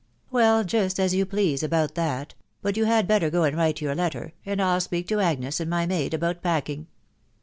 " Well, just as you please about that .... bat you had better go and write your letter, and 111 speak to Agnes and my maid about packing."